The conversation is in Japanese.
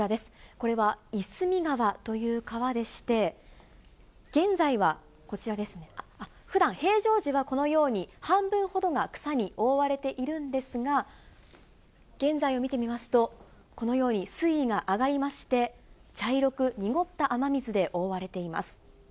これは、夷隅川という川でして、現在はこちらですね、ふだん、平常時は、このように半分ほどが草に覆われているんですが、現在を見てみますと、このように水位が上がりまして、茶色く濁った雨水で覆われています。